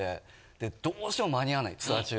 でどうしても間に合わないツアー中。